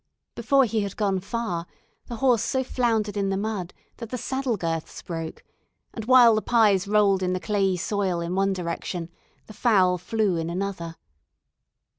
Before he had gone far, the horse so floundered in the mud that the saddle girths broke, and while the pies rolled into the clayey soil in one direction, the fowl flew in another.